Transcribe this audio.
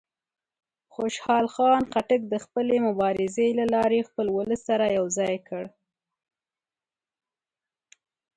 خوشحال خان خټک د خپلې مبارزې له لارې خپل ولس سره یو ځای کړ.